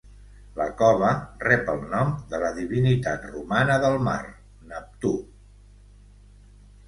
La cova rep el nom de la divinitat romana del mar, Neptú.